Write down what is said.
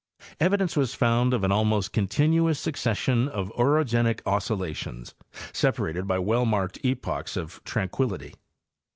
Evi dence was found of an almost continuous succession of orogenic oscillations, separated by well marked epochs of tranquillity.